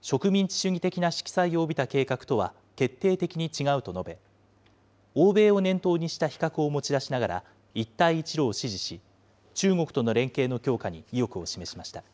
植民地主義的な色彩を帯びた計画とは決定的に違うと述べ、欧米を念頭にした比較を持ち出しながら、一帯一路を支持し、中国との連携の強化に意欲を示しました。